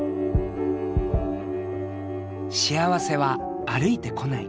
幸せは歩いてこない。